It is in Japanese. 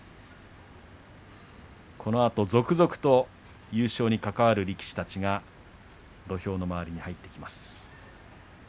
このあと続々と優勝に関わる力士たちが土俵の周りに入ってきます。